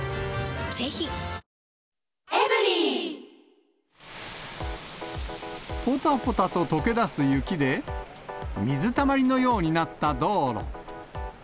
一方、ぽたぽたととけだす雪で、水たまりのようになった道路。